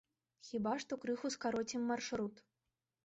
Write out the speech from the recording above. Хіба што крыху скароцім маршрут.